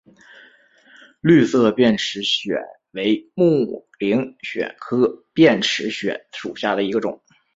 绿色变齿藓为木灵藓科变齿藓属下的一个种。